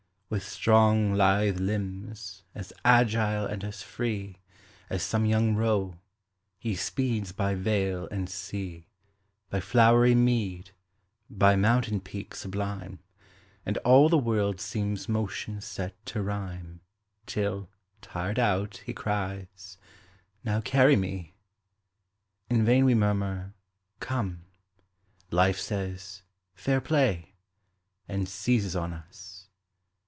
With strong, lithe limbs, as agile and as free, As some young roe, he speeds by vale and sea, By flowery mead, by mountain peak sublime, And all the world seems motion set to rhyme, Till, tired out, he cries, "Now carry me!" In vain we murmur; "Come," Life says, "Fair play!" And seizes on us.